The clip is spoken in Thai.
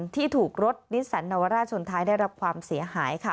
ที่ถูกรถนิสสันนวราชชนท้ายได้รับความเสียหายค่ะ